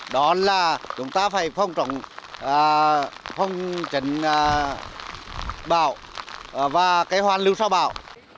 đó là chúng ta phải phong trọng phong trình bão và cái hoàn lưu sau bão